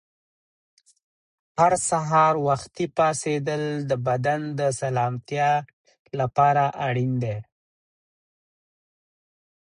هر سهار وختي پاڅېدل د بدن د سلامتیا لپاره اړین دي.